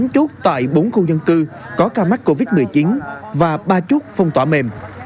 bốn chốt tại bốn khu dân cư có ca mắc covid một mươi chín và ba chốt phong tỏa mềm